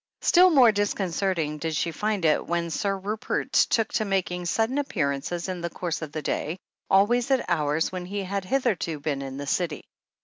Still more disconcerting did she find it when Sir 292 THE HEEL OF ACHILLES Rupert took to making sudden appearances in the course of the day, always at hours when he had hitherto been in the City.